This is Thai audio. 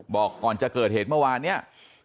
บอกก่อนจะเกิดเหตุเมื่อวานเนี่ย